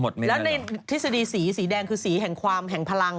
แล้วในทฤษฎีสีสีแดงคือสีแห่งพลัง